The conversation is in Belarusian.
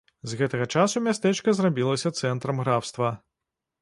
З гэтага часу мястэчка зрабілася цэнтрам графства.